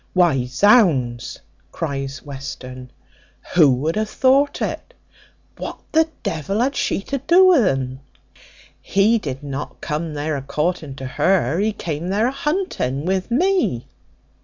"Why, zounds," cries Western, "who could have thought it? What the devil had she to do wi'n? He did not come there a courting to her; he came there a hunting with me."